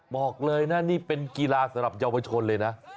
บอกเลยนะนี่เป็นกีฬาสำหรับเยาวชนเลยนะ